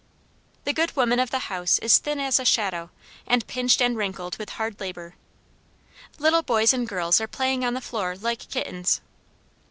The good woman of the house is thin as a shadow, and pinched and wrinkled with hard labor. Little boys and girls are playing on the floor like kittens.